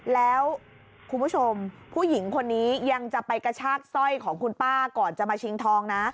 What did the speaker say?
แล้วคุณผู้ชมผู้หญิงคนนี้ยังจะไปกระชากสร้อยของคุณป้าก่อนจะมาชิงทองนะ